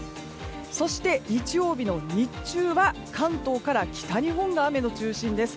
そして日曜日の日中は関東から北日本が雨の中心です。